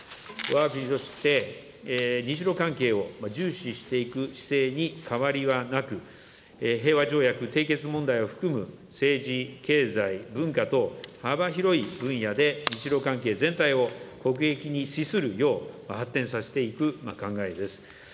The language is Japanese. わが国として、日露関係を重視していく姿勢に変わりはなく、平和条約締結問題を含む政治、経済、文化等、幅広い分野で日露関係全体を国益に資するよう発展させていく考えです。